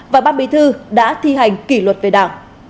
và ban bí thư đã thi hành kỷ luật về đảng